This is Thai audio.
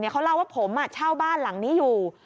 เขาเล่าว่าผมเช่าบ้านหลังนี้อยู่